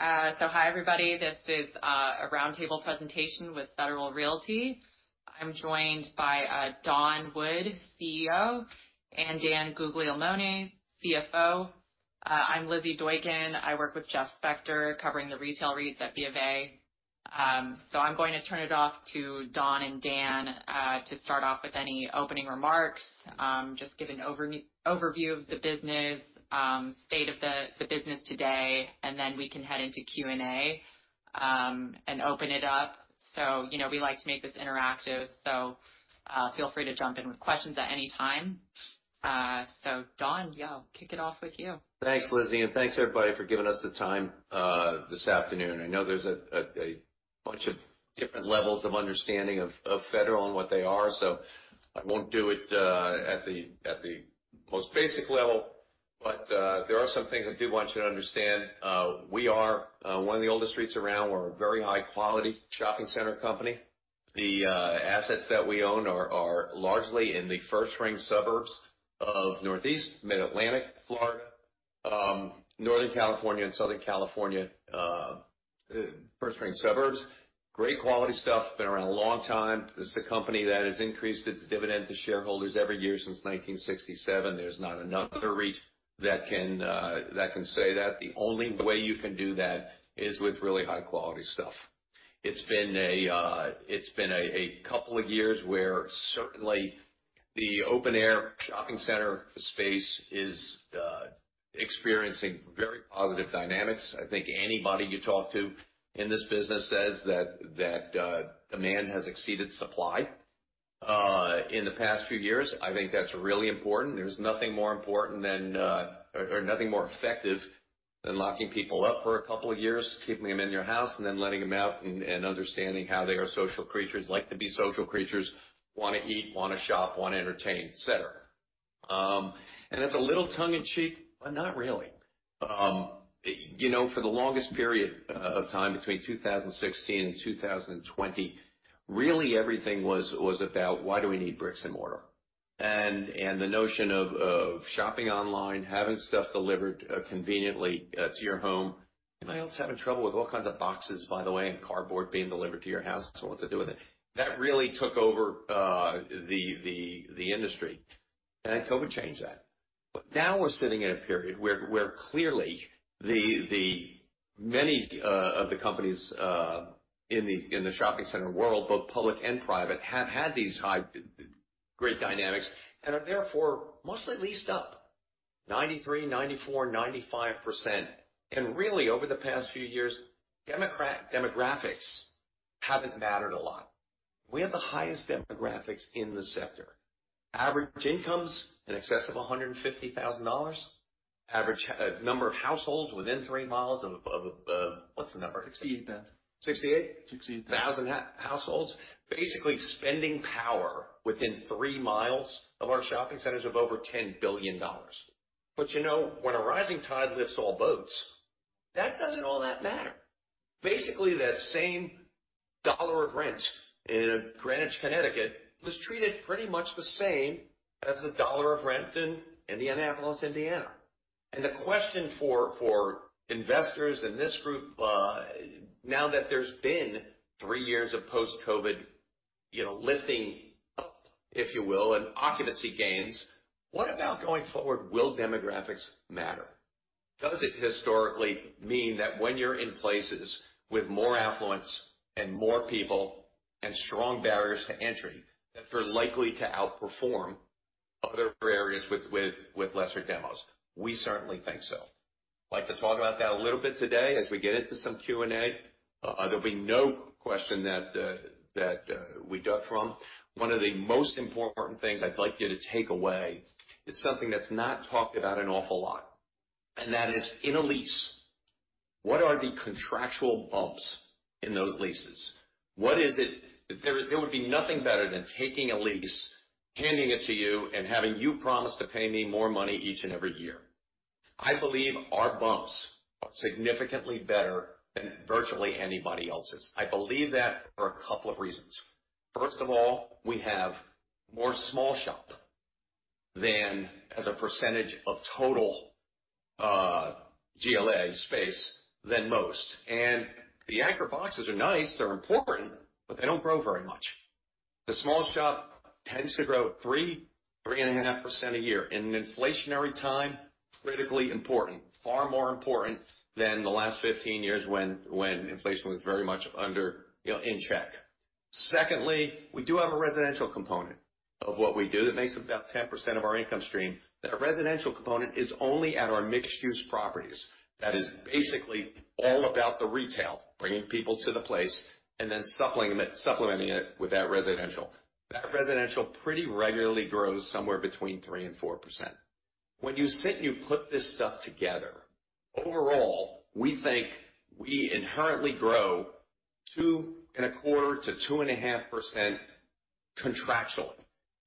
So hi, everybody. This is a roundtable presentation with Federal Realty. I'm joined by Don Wood, CEO, and Dan Guglielmone, CFO. I'm Lizzy Doykan. I work with Jeff Spector, covering the retail REITs at BofA. So I'm going to turn it over to Don and Dan to start off with any opening remarks. Just give an overview of the business, state of the business today, and then we can head into Q&A and open it up. So, you know, we like to make this interactive, so feel free to jump in with questions at any time. So Don, yeah, I'll kick it off with you. Thanks, Lizzy, and thanks, everybody, for giving us the time this afternoon. I know there's a bunch of different levels of understanding of Federal and what they are, so I won't do it at the most basic level. But, there are some things I do want you to understand. We are one of the oldest REITs around. We're a very high quality shopping center company. The assets that we own are largely in the first-ring suburbs of Northeast, Mid-Atlantic, Florida, Northern California, and Southern California, first-ring suburbs. Great quality stuff, been around a long time. This is a company that has increased its dividend to shareholders every year since 1967. There's not another REIT that can say that. The only way you can do that is with really high quality stuff. It's been a couple of years where certainly the open-air shopping center space is experiencing very positive dynamics. I think anybody you talk to in this business says that demand has exceeded supply in the past few years. I think that's really important. There's nothing more important than, or nothing more effective than locking people up for a couple of years, keeping them in their house, and then letting them out and understanding how they are social creatures, like to be social creatures, wanna eat, wanna shop, wanna entertain, et cetera. And that's a little tongue in cheek, but not really. You know, for the longest period of time, between 2016 and 2020, really everything was about why do we need bricks and mortar? And the notion of shopping online, having stuff delivered conveniently to your home. Am I also having trouble with all kinds of boxes, by the way, and cardboard being delivered to your house? What to do with it? That really took over the industry, and then COVID changed that. But now we're sitting in a period where clearly many of the companies in the shopping center world, both public and private, have had these high, great dynamics and are therefore mostly leased up 93%-95%. And really, over the past few years, demographics haven't mattered a lot. We have the highest demographics in the sector. Average incomes in excess of $150,000, average number of households within three miles of... What's the number? 68, Don. 68? 68. Thousand households, basically spending power within three miles of our shopping centers of over $10 billion. But, you know, when a rising tide lifts all boats, that doesn't all that matter. Basically, that same dollar of rent in Greenwich, Connecticut, was treated pretty much the same as the dollar of rent in Indianapolis, Indiana. And the question for investors in this group, now that there's been three years of post-COVID, you know, lifting up, if you will, and occupancy gains, what about going forward, will demographics matter? Does it historically mean that when you're in places with more affluence and more people and strong barriers to entry, that they're likely to outperform other areas with lesser demos? We certainly think so. I'd like to talk about that a little bit today as we get into some Q&A. There'll be no question that we duck from. One of the most important things I'd like you to take away is something that's not talked about an awful lot, and that is, in a lease, what are the contractual bumps in those leases? What is it? There would be nothing better than taking a lease, handing it to you, and having you promise to pay me more money each and every year. I believe our bumps are significantly better than virtually anybody else's. I believe that for a couple of reasons. First of all, we have more small shop than as a percentage of total, GLA space than most. And the anchor boxes are nice, they're important, but they don't grow very much. The small shop tends to grow 3%-3.5% a year. In an inflationary time, critically important, far more important than the last 15 years when inflation was very much under, you know, in check. Secondly, we do have a residential component of what we do. That makes about 10% of our income stream. That residential component is only at our mixed-use properties. That is basically all about the retail, bringing people to the place and then supplying- supplementing it with that residential. That residential pretty regularly grows somewhere between 3%-4%. When you sit and you put this stuff together, overall, we think we inherently grow 2.25%-2.5% contractually,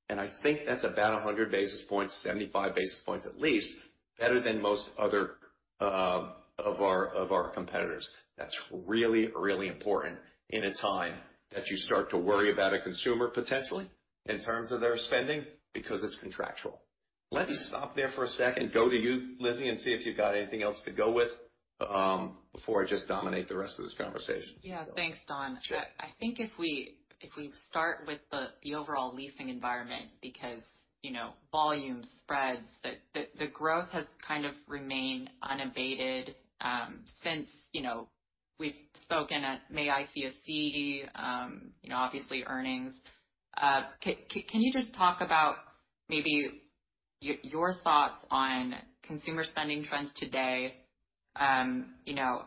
and I think that's about 100 basis points, 75 basis points, at least, better than most other of our of our competitors. That's really, really important in a time that you start to worry about a consumer potentially in terms of their spending, because it's contractual. Let me stop there for a second, go to you, Lizzy, and see if you've got anything else to go with, before I just dominate the rest of this conversation. Yeah. Thanks, Don. Sure. I think if we start with the overall leasing environment, because, you know, volume spreads, the growth has kind of remained unabated, since, you know, we've spoken at May ICSC, you know, obviously earnings. Can you just talk about maybe your thoughts on consumer spending trends today? You know,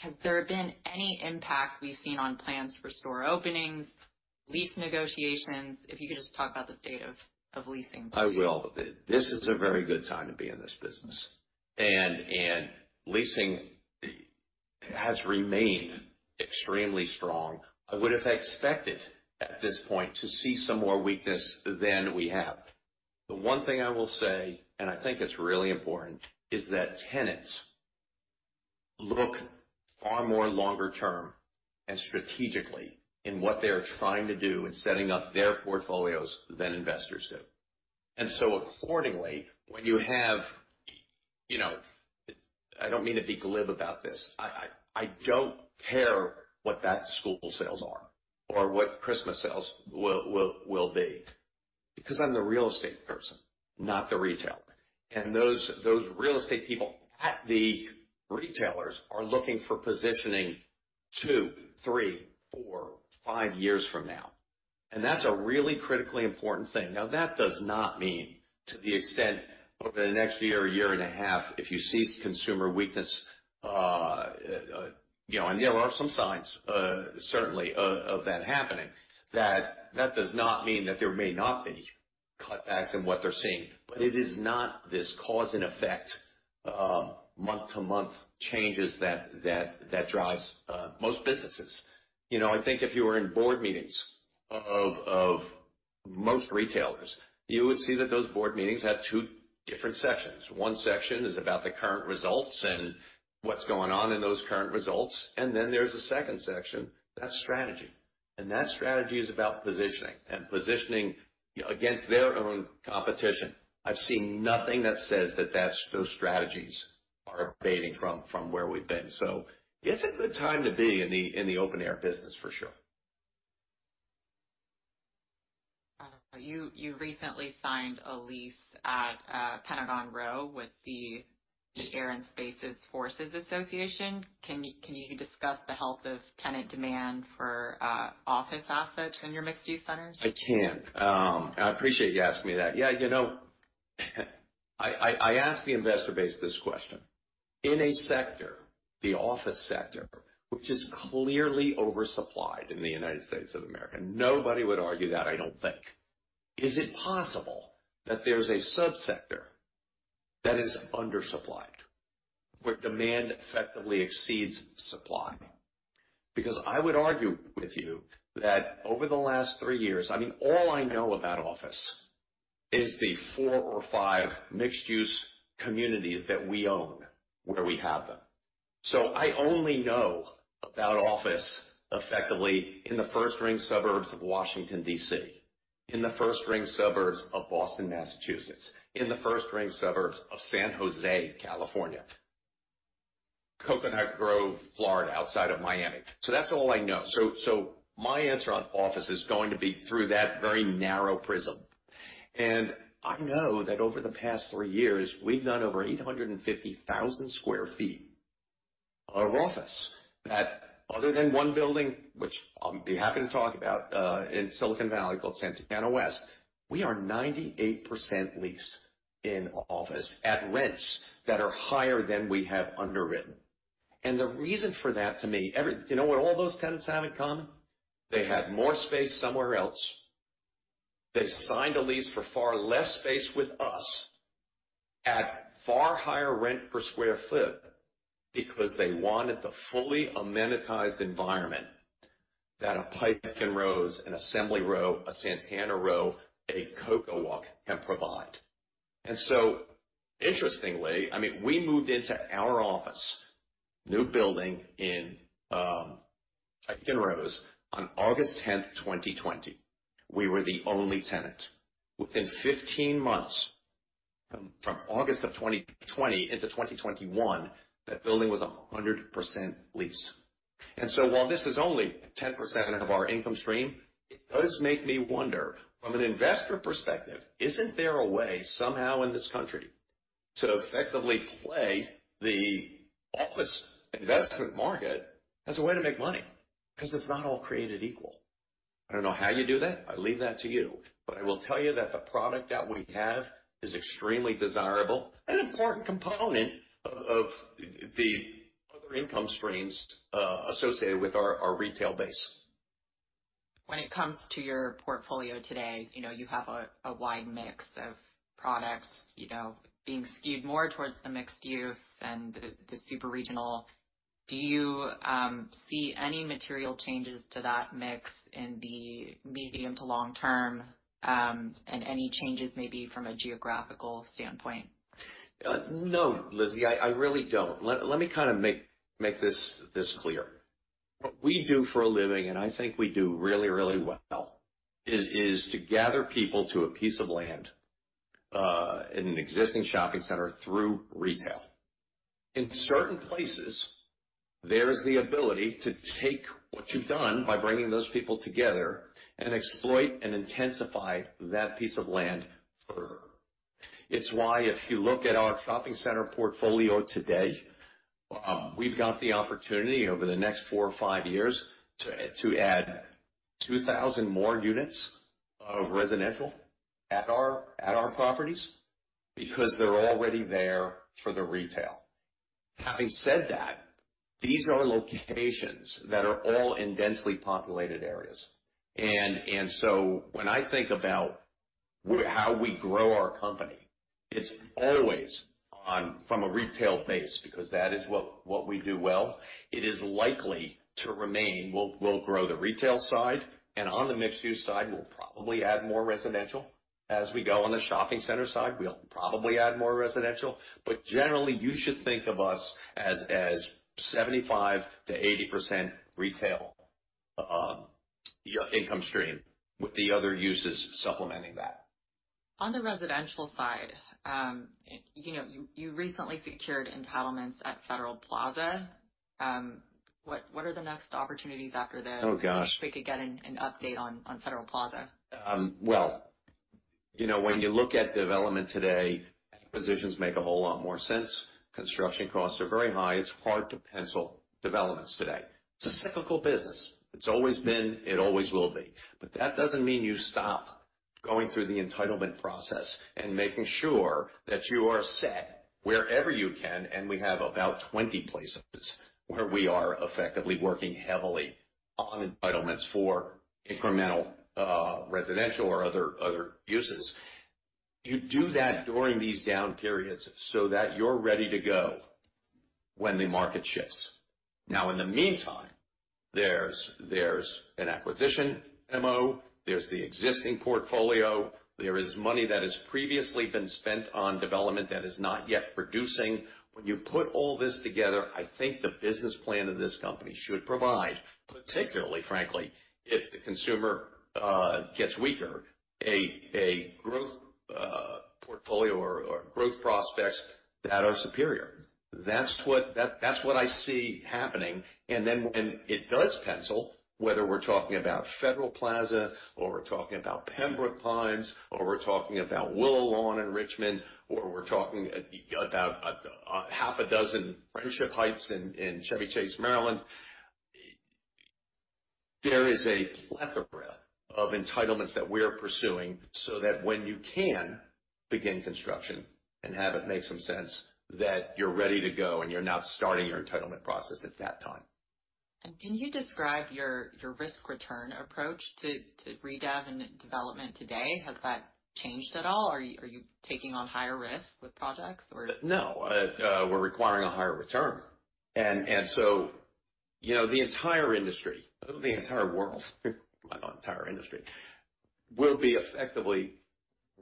has there been any impact we've seen on plans for store openings, lease negotiations? If you could just talk about the state of leasing. I will. This is a very good time to be in this business, and leasing has remained extremely strong. I would have expected, at this point, to see some more weakness than we have. The one thing I will say, and I think it's really important, is that tenants look far more longer term and strategically in what they are trying to do in setting up their portfolios than investors do. And so accordingly, when you have... You know, I don't mean to be glib about this. I don't care what back-to-school sales are or what Christmas sales will be, because I'm the real estate person, not the retailer. And those real estate people at the retailers are looking for positioning 2, 3, 4, 5 years from now, and that's a really critically important thing. Now, that does not mean to the extent, over the next year or year and a half, if you see consumer weakness, you know, and there are some signs, certainly, of that happening, that that does not mean that there may not be cutbacks in what they're seeing. But it is not this cause and effect, month-to-month changes that drives most businesses. You know, I think if you were in board meetings of most retailers, you would see that those board meetings have two different sections. One section is about the current results and what's going on in those current results, and then there's a second section, that's strategy. And that strategy is about positioning, and positioning, against their own competition. I've seen nothing that says that, that's those strategies are abating from where we've been. It's a good time to be in the open air business for sure. You recently signed a lease at Pentagon Row with the Air & Space Forces Association. Can you discuss the health of tenant demand for office assets in your mixed-use centers? I can. I appreciate you asking me that. Yeah, you know, I ask the investor base this question: In a sector, the office sector, which is clearly oversupplied in the United States of America, nobody would argue that, I don't think. Is it possible that there's a subsector that is undersupplied, where demand effectively exceeds supply? Because I would argue with you that over the last three years... I mean, all I know about office is the four or five mixed-use communities that we own, where we have them. So I only know about office effectively in the first-ring suburbs of Washington, D.C., in the first-ring suburbs of Boston, Massachusetts, in the first-ring suburbs of San Jose, California, Coconut Grove, Florida, outside of Miami. So that's all I know. So my answer on office is going to be through that very narrow prism. I know that over the past three years, we've done over 850,000 sq ft of office, that other than one building, which I'll be happy to talk about, in Silicon Valley, called Santana West, we are 98% leased in office at rents that are higher than we have underwritten. And the reason for that, to me, you know what all those tenants have in common? They had more space somewhere else. They signed a lease for far less space with us at far higher rent per square foot because they wanted the fully amenitized environment that a Pike & Rose, an Assembly Row, a Santana Row, a CocoWalk can provide. And so, interestingly, I mean, we moved into our office, new building in Pike & Rose, on August 10, 2020. We were the only tenant. Within 15 months, from August 2020 into 2021, that building was 100% leased. And so while this is only 10% of our income stream, it does make me wonder, from an investor perspective, isn't there a way, somehow in this country, to effectively play the office investment market as a way to make money? Because it's not all created equal. I don't know how you do that. I leave that to you. But I will tell you that the product that we have is extremely desirable and an important component of, of the other income streams, associated with our, our retail base. When it comes to your portfolio today, you know, you have a wide mix of products, you know, being skewed more towards the mixed use and the super regional. Do you see any material changes to that mix in the medium to long term, and any changes maybe from a geographical standpoint? No, Lizzy, I really don't. Let me kind of make this clear. What we do for a living, and I think we do really, really well, is to gather people to a piece of land in an existing shopping center through retail. In certain places, there is the ability to take what you've done by bringing those people together and exploit and intensify that piece of land further. It's why if you look at our shopping center portfolio today, we've got the opportunity over the next four or five years to add 2,000 more units of residential at our properties, because they're already there for the retail. Having said that, these are locations that are all in densely populated areas. And so when I think about how we grow our company, it's always on from a retail base, because that is what we do well. It is likely to remain. We'll grow the retail side, and on the mixed use side, we'll probably add more residential. As we go on the shopping center side, we'll probably add more residential. But generally, you should think of us as 75%-80% retail income stream, with the other uses supplementing that. On the residential side, you know, you recently secured entitlements at Federal Plaza. What are the next opportunities after that? Oh, gosh! Wish we could get an update on Federal Plaza. Well, you know, when you look at development today, acquisitions make a whole lot more sense. Construction costs are very high. It's hard to pencil developments today. It's a cyclical business. It's always been, it always will be. But that doesn't mean you stop going through the entitlement process and making sure that you are set wherever you can, and we have about 20 places where we are effectively working heavily on entitlements for incremental residential or other uses. You do that during these down periods so that you're ready to go when the market shifts. Now, in the meantime, there's an acquisition MO, there's the existing portfolio, there is money that has previously been spent on development that is not yet producing. When you put all this together, I think the business plan of this company should provide, particularly frankly, if the consumer gets weaker, a growth portfolio or growth prospects that are superior. That's what, that's what I see happening. And then when it does pencil, whether we're talking about Federal Plaza, or we're talking about Pembroke Pines, or we're talking about Willow Lawn in Richmond, or we're talking about half a dozen Friendship Heights in Chevy Chase, Maryland, there is a plethora of entitlements that we're pursuing so that when you can begin construction and have it make some sense, that you're ready to go, and you're not starting your entitlement process at that time. Can you describe your risk return approach to redev and development today? Has that changed at all, or are you taking on higher risk with projects or? No, we're requiring a higher return. And so, you know, the entire industry, the entire world, not entire industry, will be effectively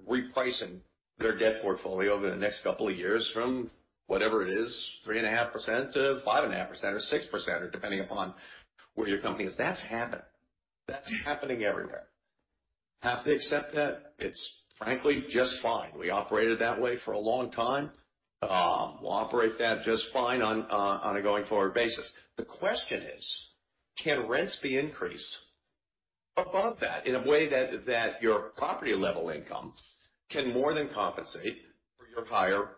repricing their debt portfolio over the next couple of years from whatever it is, 3.5% to 5.5% or 6%, or depending upon where your company is. That's happening. That's happening everywhere. Have to accept that. It's frankly just fine. We operated that way for a long time. We'll operate that just fine on, on a going-forward basis. The question is: Can rents be increased above that in a way that, that your property level income can more than compensate for your higher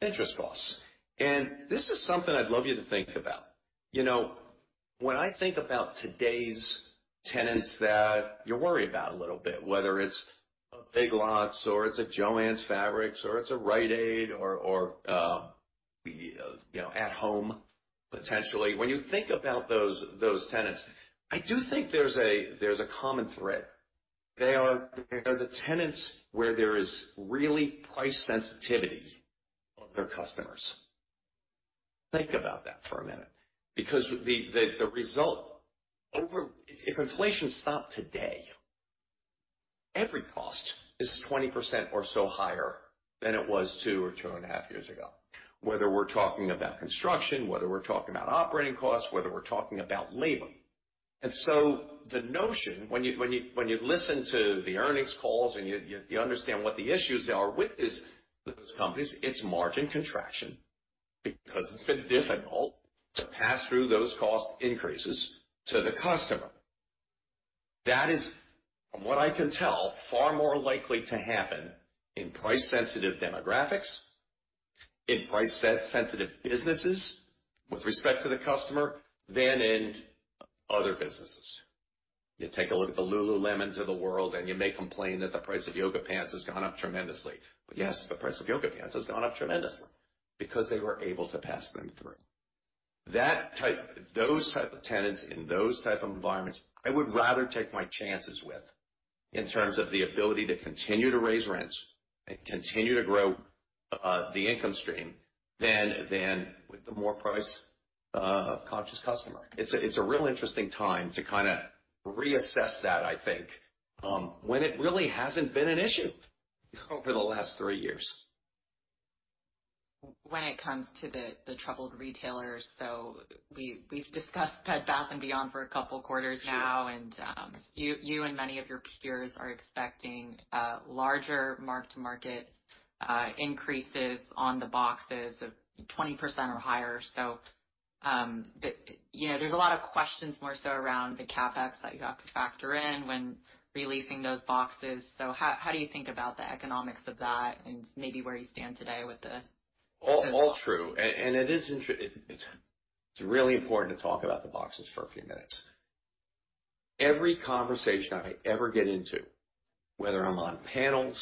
interest costs? And this is something I'd love you to think about. You know, when I think about today's tenants that you're worried about a little bit, whether it's a Big Lots, or it's a Jo-Ann Fabrics, or it's a Rite Aid, or, you know, At Home, potentially. When you think about those, those tenants, I do think there's a, there's a common thread. They are, they are the tenants where there is really price sensitivity of their customers. Think about that for a minute, because the, the, the result over... If inflation stopped today, every cost is 20% or so higher than it was two or two and a half years ago, whether we're talking about construction, whether we're talking about operating costs, whether we're talking about labor. So the notion, when you listen to the earnings calls and you understand what the issues are with these those companies, it's margin contraction, because it's been difficult to pass through those cost increases to the customer. That is, from what I can tell, far more likely to happen in price-sensitive demographics, in price-sensitive businesses with respect to the customer than in other businesses. You take a look at the Lululemons of the world, and you may complain that the price of yoga pants has gone up tremendously. But yes, the price of yoga pants has gone up tremendously because they were able to pass them through. Those type of tenants in those type of environments, I would rather take my chances with, in terms of the ability to continue to raise rents and continue to grow the income stream than with the more price conscious customer. It's a real interesting time to kind of reassess that, I think, when it really hasn't been an issue over the last three years. When it comes to the troubled retailers, so we've discussed Bed Bath & Beyond for a couple quarters now. Sure. You and many of your peers are expecting larger mark-to-market increases on the boxes of 20% or higher. So, but, you know, there's a lot of questions more so around the CapEx that you have to factor in when releasing those boxes. So how do you think about the economics of that and maybe where you stand today with the- All, all true, and it is—it's really important to talk about the boxes for a few minutes. Every conversation I ever get into, whether I'm on panels,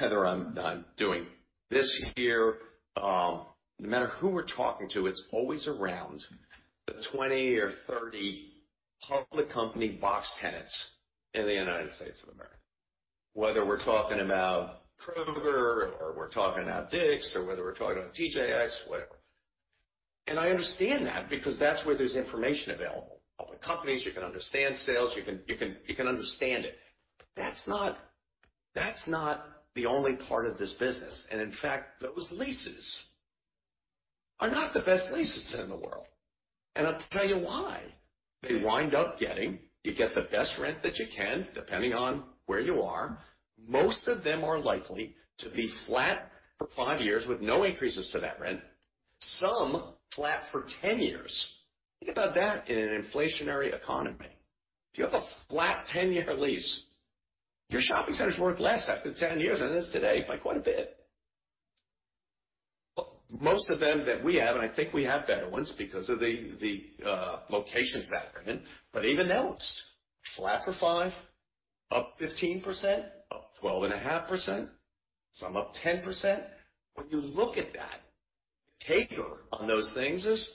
whether I'm doing this here, no matter who we're talking to, it's always around the 20 or 30 public company box tenants in the United States of America. Whether we're talking about Kroger or we're talking about Dick's or whether we're talking about TJX, whatever. And I understand that because that's where there's information available. Public companies, you can understand sales, you can understand it. But that's not the only part of this business, and in fact, those leases are not the best leases in the world. And I'll tell you why. They wind up getting... You get the best rent that you can, depending on where you are. Most of them are likely to be flat for 5 years with no increases to that rent. Some flat for 10 years. Think about that in an inflationary economy. If you have a flat 10-year lease, your shopping center is worth less after 10 years than it is today by quite a bit. Most of them that we have, and I think we have better ones because of the locations that are in, but even those, flat for 5, up 15%, up 12.5%, some up 10%. When you look at that, the taker on those things is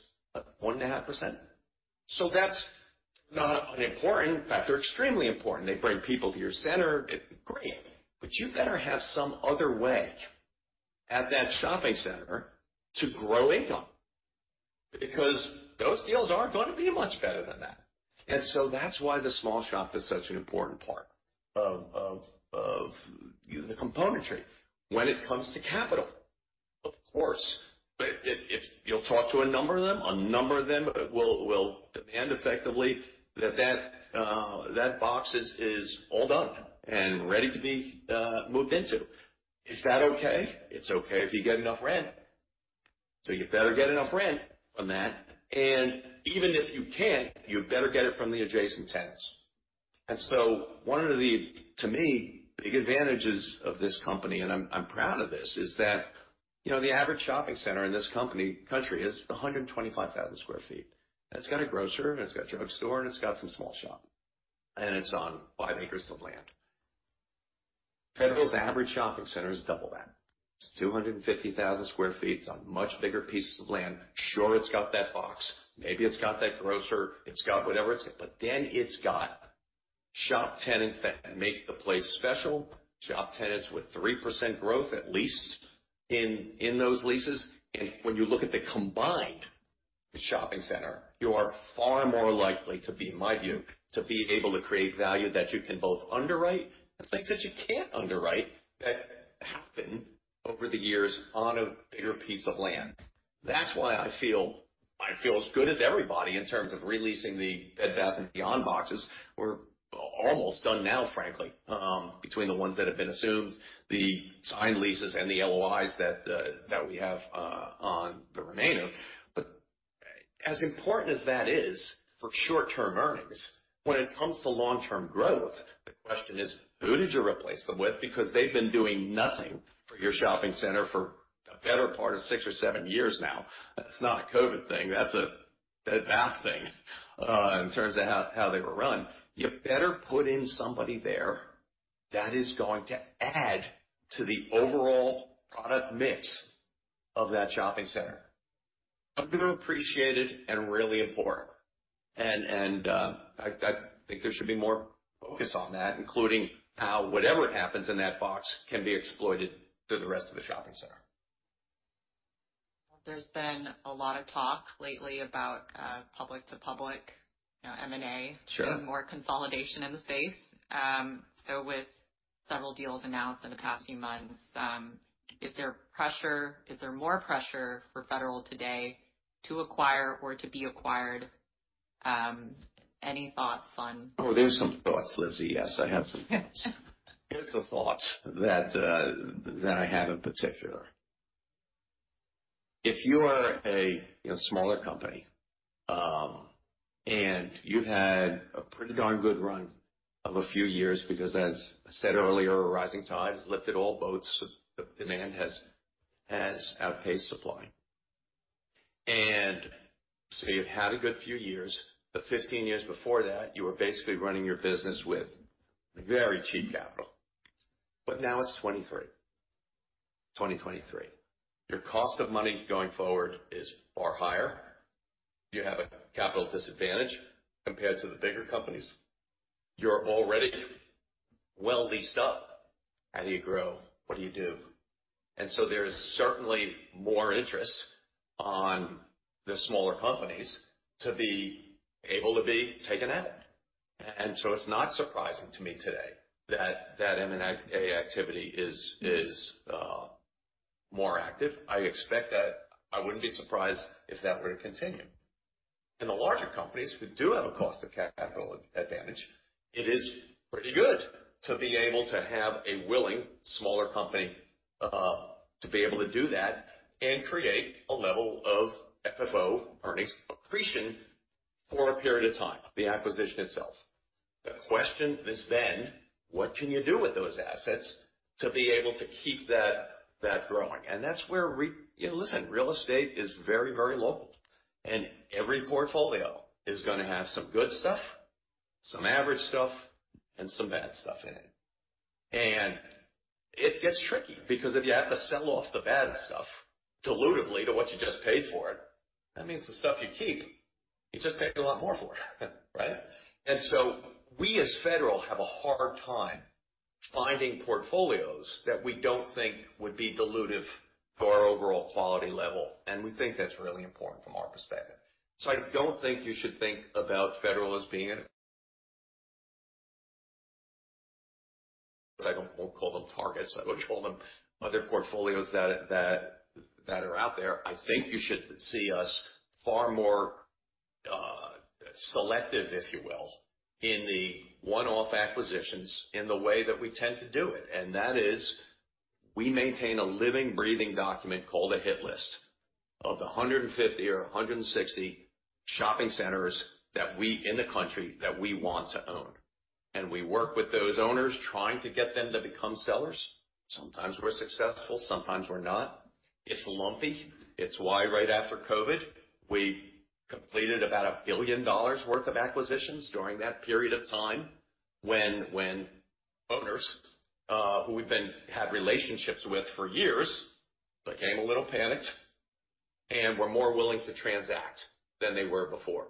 1.5%. So that's not unimportant. In fact, they're extremely important. They bring people to your center. Great! But you better have some other way at that shopping center to grow income, because those deals aren't going to be much better than that. And so that's why the small shop is such an important part of the componentry when it comes to capital. Of course, but if you'll talk to a number of them, a number of them will demand effectively that that box is all done and ready to be moved into. Is that okay? It's okay if you get enough rent. So you better get enough rent from that, and even if you can't, you better get it from the adjacent tenants. And so one of the, to me, big advantages of this company, and I'm, I'm proud of this, is that, you know, the average shopping center in this country is 125,000 sq ft. It's got a grocer, and it's got a drugstore, and it's got some small shop, and it's on 5 acres of land. Federal's average shopping center is double that. It's 250,000 sq ft. It's on much bigger pieces of land. Sure, it's got that box. Maybe it's got that grocer, it's got whatever it's got, but then it's got shop tenants that make the place special, shop tenants with 3% growth, at least in, in those leases. And when you look at the combined shopping center, you are far more likely to be, in my view, to be able to create value that you can both underwrite and things that you can't underwrite that happen over the years on a bigger piece of land. That's why I feel, I feel as good as everybody in terms of releasing the Bed Bath & Beyond boxes. We're almost done now, frankly, between the ones that have been assumed, the signed leases and the LOIs that we have on the remainder. But as important as that is for short-term earnings, when it comes to long-term growth, the question is, who did you replace them with? Because they've been doing nothing for your shopping center for a better part of six or seven years now. That's not a COVID thing. That's a Bed Bath thing in terms of how they were run. You better put in somebody there that is going to add to the overall product mix of that shopping center. Underappreciated and really important, and I think there should be more focus on that, including how whatever happens in that box can be exploited through the rest of the shopping center. There's been a lot of talk lately about public to public, you know, M&A- Sure. -and more consolidation in the space. So with several deals announced in the past few months, is there more pressure for Federal Realty to acquire or to be acquired? Any thoughts on- Oh, there's some thoughts, Lizzy. Yes, I have some thoughts. Here's the thoughts that, that I have in particular. If you are a smaller company, and you had a pretty darn good run of a few years, because as I said earlier, a rising tide has lifted all boats. So the demand has outpaced supply. And so you've had a good few years, but 15 years before that, you were basically running your business with very cheap capital. But now it's 2023. Your cost of money going forward is far higher. You have a capital disadvantage compared to the bigger companies. You're already well leased up. How do you grow? What do you do? And so there's certainly more interest on the smaller companies to be able to be taken out.... And so it's not surprising to me today that M&A activity is more active. I expect that - I wouldn't be surprised if that were to continue. In the larger companies, we do have a cost of capital advantage. It is pretty good to be able to have a willing smaller company to be able to do that and create a level of FFO earnings accretion for a period of time, the acquisition itself. The question is then, what can you do with those assets to be able to keep that growing? And that's where re- You know, listen, real estate is very, very local, and every portfolio is gonna have some good stuff, some average stuff, and some bad stuff in it. It gets tricky because if you have to sell off the bad stuff dilutively to what you just paid for it, that means the stuff you keep, you just paid a lot more for it, right? So we, as Federal, have a hard time finding portfolios that we don't think would be dilutive to our overall quality level, and we think that's really important from our perspective. So I don't think you should think about Federal as being... I won't call them targets. I would call them other portfolios that are out there. I think you should see us far more selective, if you will, in the one-off acquisitions in the way that we tend to do it, and that is, we maintain a living, breathing document called a hit list of the 150 or 160 shopping centers in the country that we want to own, and we work with those owners, trying to get them to become sellers. Sometimes we're successful, sometimes we're not. It's lumpy. It's why, right after COVID, we completed about $1 billion worth of acquisitions during that period of time, when owners who we've had relationships with for years became a little panicked and were more willing to transact than they were before.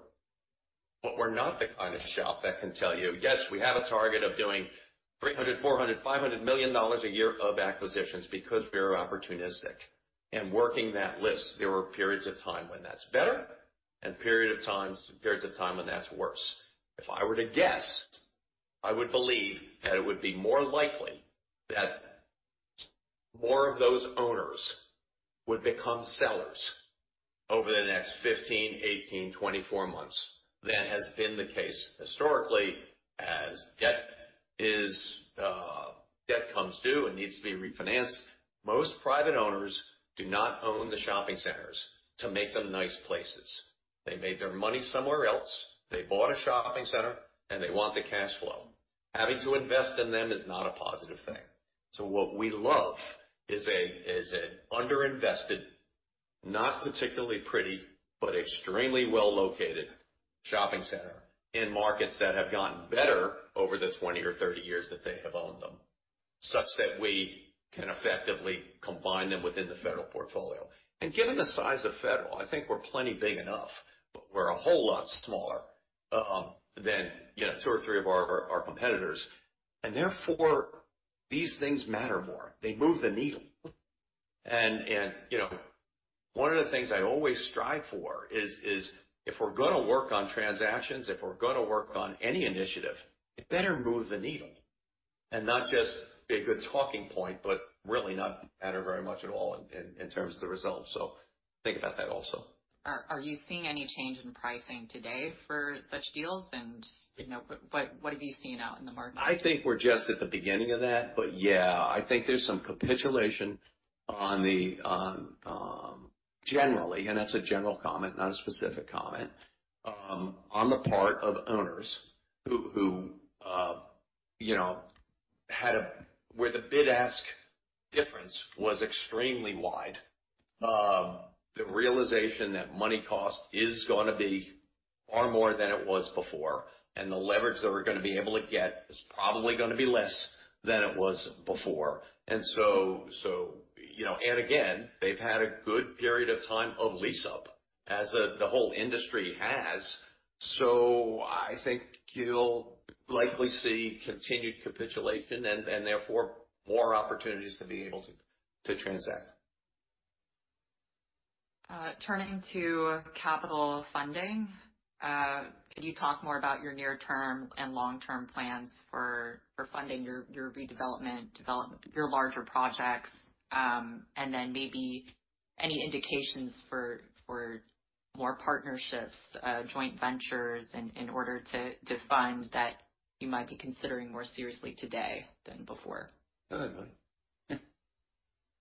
But we're not the kind of shop that can tell you, "Yes, we have a target of doing $300-$500 million a year of acquisitions," because we are opportunistic. And working that list, there are periods of time when that's better and periods of time when that's worse. If I were to guess, I would believe that it would be more likely that more of those owners would become sellers over the next 15, 18, 24 months than has been the case historically, as debt comes due and needs to be refinanced. Most private owners do not own the shopping centers to make them nice places. They made their money somewhere else. They bought a shopping center, and they want the cash flow. Having to invest in them is not a positive thing. So what we love is an underinvested, not particularly pretty, but extremely well-located shopping center in markets that have gotten better over the 20 or 30 years that they have owned them, such that we can effectively combine them within the Federal portfolio. And given the size of Federal, I think we're plenty big enough, but we're a whole lot smaller than, you know, two or three of our competitors, and therefore, these things matter more. They move the needle. And you know, one of the things I always strive for is if we're gonna work on transactions, if we're gonna work on any initiative, it better move the needle, and not just be a good talking point, but really not matter very much at all in terms of the results. So think about that also. Are you seeing any change in pricing today for such deals? You know, what have you seen out in the market? I think we're just at the beginning of that, but, yeah, I think there's some capitulation on the generally, and that's a general comment, not a specific comment, on the part of owners who you know, had where the bid-ask difference was extremely wide. The realization that money cost is gonna be far more than it was before, and the leverage that we're gonna be able to get is probably gonna be less than it was before. And so, you know, and again, they've had a good period of time of lease-up, as the whole industry has. So I think you'll likely see continued capitulation and therefore, more opportunities to be able to transact. Turning to capital funding, could you talk more about your near-term and long-term plans for funding your redevelopment, your larger projects? And then maybe any indications for more partnerships, joint ventures in order to fund that you might be considering more seriously today than before? Go ahead, Dan. Yeah.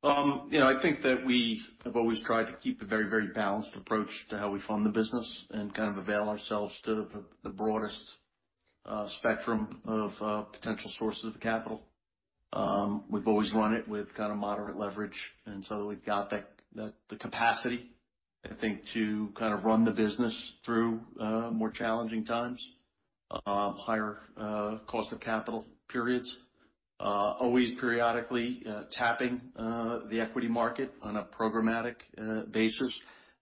You know, I think that we have always tried to keep a very, very balanced approach to how we fund the business and kind of avail ourselves to the broadest spectrum of potential sources of capital. We've always run it with kind of moderate leverage, and so we've got that, the capacity, I think, to kind of run the business through more challenging times, higher cost of capital periods. Always periodically tapping the equity market on a programmatic basis,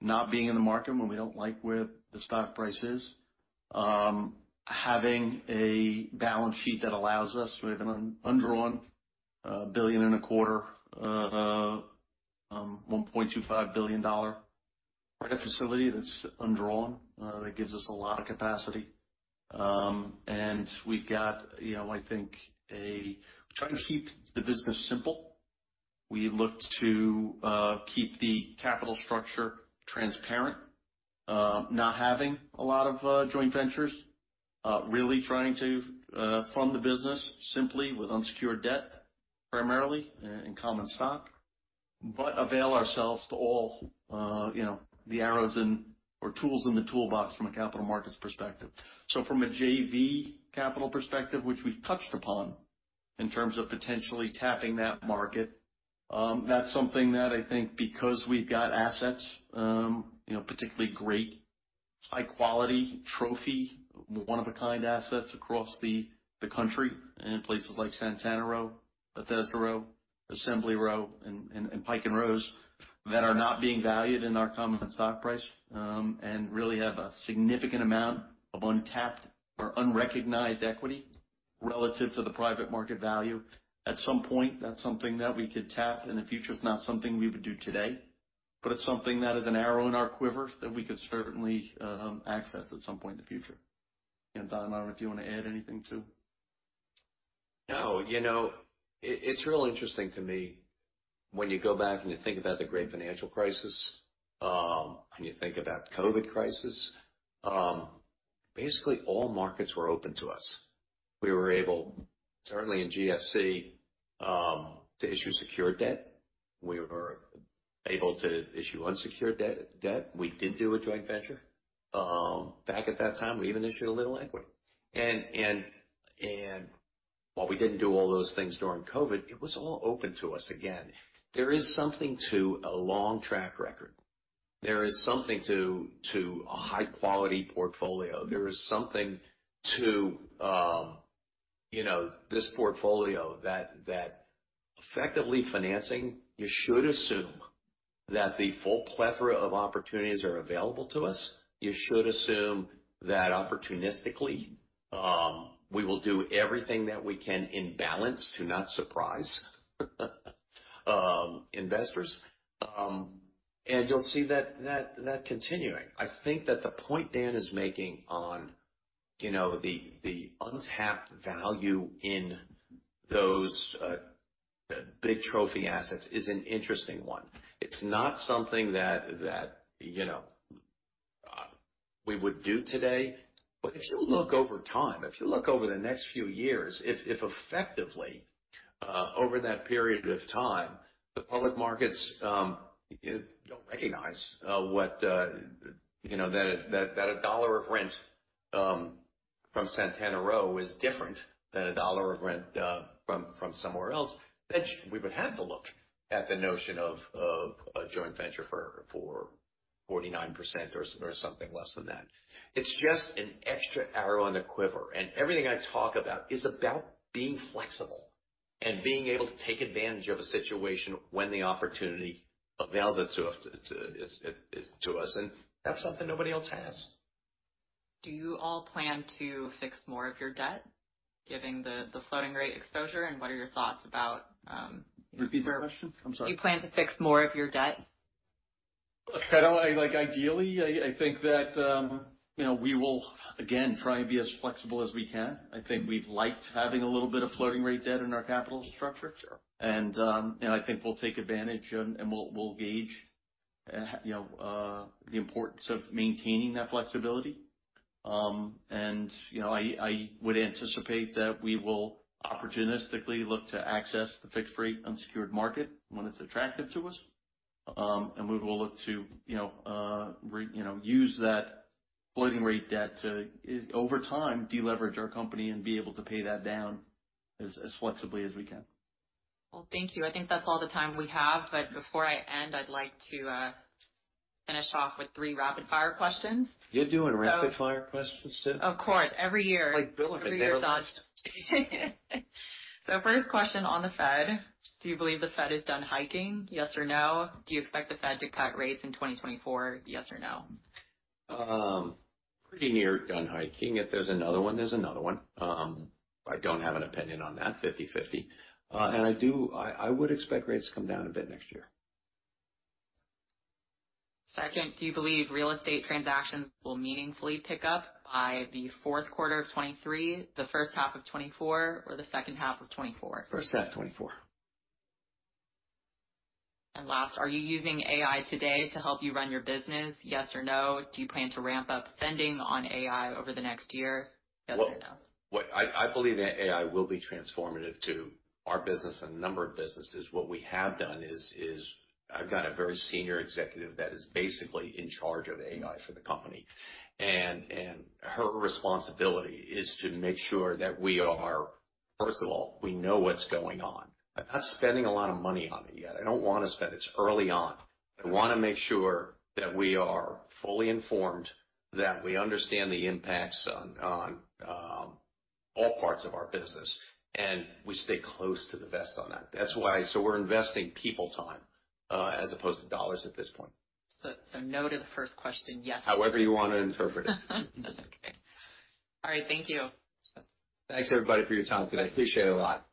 not being in the market when we don't like where the stock price is. Having a balance sheet that allows us, we have an undrawn $1.25 billion, $1.25 billion dollar-... We have a facility that's undrawn that gives us a lot of capacity. And we've got, you know, I think try to keep the business simple. We look to keep the capital structure transparent, not having a lot of joint ventures, really trying to fund the business simply with unsecured debt, primarily, in common stock, but avail ourselves to all, you know, the arrows in or tools in the toolbox from a capital markets perspective. So from a JV capital perspective, which we've touched upon in terms of potentially tapping that market, that's something that I think because we've got assets, you know, particularly great, high quality, trophy, one-of-a-kind assets across the country in places like Santana Row, Bethesda Row, Assembly Row, and Pike & Rose, that are not being valued in our common stock price, and really have a significant amount of untapped or unrecognized equity relative to the private market value. At some point, that's something that we could tap in the future. It's not something we would do today, but it's something that is an arrow in our quiver that we could certainly access at some point in the future. And Don, I don't know if you want to add anything to? No, you know, it's real interesting to me when you go back and you think about the Great Financial Crisis and you think about the COVID crisis. Basically all markets were open to us. We were able, certainly in GFC, to issue secured debt. We were able to issue unsecured debt. We did do a joint venture. Back at that time, we even issued a little equity. And while we didn't do all those things during COVID, it was all open to us again. There is something to a long track record. There is something to a high quality portfolio. There is something to, you know, this portfolio that effectively financing, you should assume that the full plethora of opportunities are available to us. You should assume that opportunistically, we will do everything that we can in balance to not surprise, investors, and you'll see that, that continuing. I think that the point Dan is making on, you know, the, the untapped value in those, big trophy assets is an interesting one. It's not something that, that, you know, we would do today. But if you look over time, if you look over the next few years, if, if effectively, over that period of time, the public markets, don't recognize, what the, you know, that a, that a dollar of rent, from Santana Row is different than a dollar of rent, from, from somewhere else, then we would have to look at the notion of, of a joint venture for, for 49% or, or something less than that. It's just an extra arrow in the quiver. Everything I talk about is about being flexible and being able to take advantage of a situation when the opportunity avails it to us, and that's something nobody else has. Do you all plan to fix more of your debt, given the floating rate exposure, and what are your thoughts about? Repeat the question. I'm sorry. Do you plan to fix more of your debt? I don't. Like, ideally, I think that, you know, we will again try and be as flexible as we can. I think we've liked having a little bit of floating rate debt in our capital structure. Sure. And I think we'll take advantage, and we'll gauge, you know, the importance of maintaining that flexibility. And, you know, I would anticipate that we will opportunistically look to access the fixed rate unsecured market when it's attractive to us. And we will look to, you know, use that floating rate debt to, over time, deleverage our company and be able to pay that down as flexibly as we can. Well, thank you. I think that's all the time we have. But before I end, I'd like to finish off with three rapid-fire questions. You're doing rapid-fire questions, too? Of course, every year. Like Bill and Hillary. First question on the Fed: Do you believe the Fed is done hiking, yes or no? Do you expect the Fed to cut rates in 2024, yes or no? Pretty near done hiking. If there's another one, there's another one. I don't have an opinion on that. 50/50. I would expect rates to come down a bit next year. Second, do you believe real estate transactions will meaningfully pick up by the fourth quarter of 2023, the first half of 2024, or the second half of 2024? First half of 2024. Last, are you using AI today to help you run your business, yes or no? Do you plan to ramp up spending on AI over the next year, yes or no? I believe that AI will be transformative to our business and a number of businesses. What we have done is I've got a very senior executive that is basically in charge of AI for the company, and her responsibility is to make sure that we are, first of all, we know what's going on. I'm not spending a lot of money on it yet. I don't want to spend; it's early on. I want to make sure that we are fully informed, that we understand the impacts on all parts of our business, and we stay close to the vest on that. That's why we're investing people time as opposed to dollars at this point. So, no to the first question, yes- However you want to interpret it. Okay. All right. Thank you. Thanks, everybody, for your time today. I appreciate it a lot.